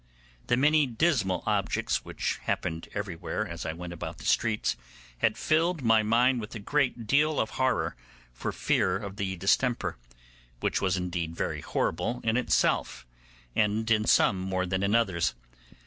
The many dismal objects which happened everywhere as I went about the streets, had filled my mind with a great deal of horror for fear of the distemper, which was indeed very horrible in itself, and in some more than in others.